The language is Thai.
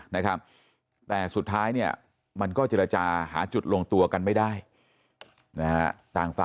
นะครับแต่สุดท้ายเนี่ยมันก็เจรจาหาจุดลงตัวกันไม่ได้นะฮะต่างฝ่าย